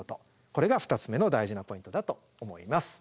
これが２つ目の大事なポイントだと思います。